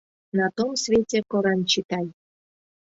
На том свете коран читай!